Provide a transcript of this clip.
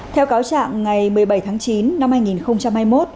theo cáo trạng ngày một mươi bảy tháng chín năm hai nghìn hai mươi một